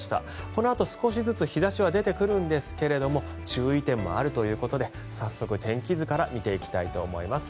このあと少しずつ日差しは出てくるんですけれども注意点もあるということで早速、天気図から見ていきたいと思います。